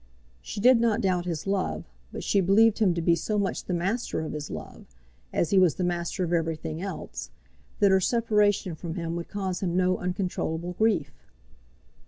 She did not doubt his love, but she believed him to be so much the master of his love, as he was the master of everything else, that her separation from him would cause him no uncontrollable grief.